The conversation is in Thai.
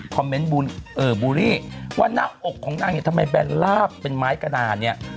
บูลลี่ว่าหน้าอกของนางเนี่ยทำไมแบนลาบเป็นไม้กระดานเนี่ย